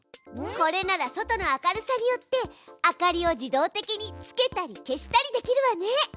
これなら外の明るさによって明かりを自動的につけたり消したりできるわね！